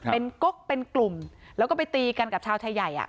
เป็นก๊กเป็นกลุ่มแล้วก็ไปตีกันกับชาวชายใหญ่